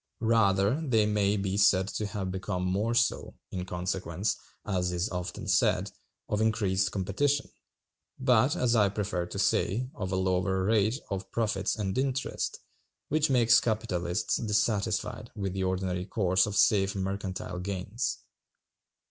Rather they may be said to have become more so, in consequence, as is often said, of increased competition, but, as I prefer to say, of a lower rate of profits and interest, which makes capitalists dissatisfied with the ordinary course of safe mercantile gains.